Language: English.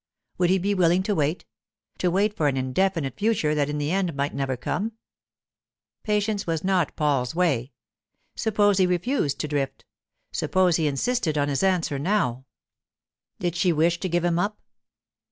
Would he be willing to wait—to wait for an indefinite future that in the end might never come? Patience was not Paul's way. Suppose he refused to drift; suppose he insisted on his answer now—did she wish to give him up?